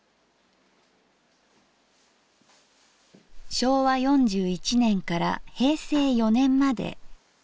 昭和４１年から平成４年まで。